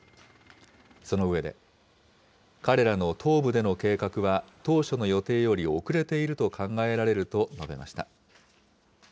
その上で、彼らの東部での計画は、当初の予定より遅れていると考えられると述べました。